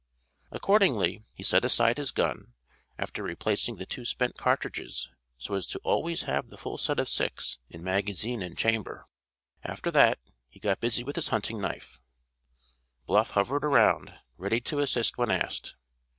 Accordingly he set aside his gun, after replacing the two spent cartridges so as to always have the full set of six in magazine and chamber. After that he got busy with his hunting knife. Bluff hovered around, ready to assist when asked.